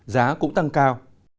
giá cũng tăng cao